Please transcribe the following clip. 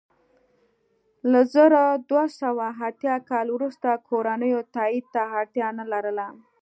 له زر دوه سوه اتیا کال وروسته کورنیو تایید ته اړتیا نه لرله.